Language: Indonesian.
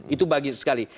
itu bagus sekali